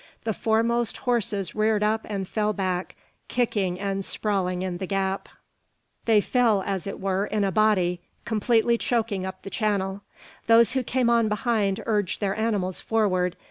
The foremost horses reared up and fell back, kicking and sprawling in the gap. They fell, as it were, in a body, completely choking up the channel. Those who came on behind urged their animals forward.